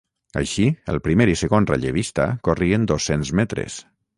Així, el primer i segon rellevista corrien dos-cents metres.